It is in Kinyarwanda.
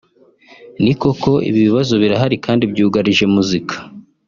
Nikoko ibi bibazo birahari kandi byugarije muzika